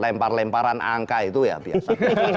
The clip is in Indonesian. jadi lempar lemparan angka itu ya biasa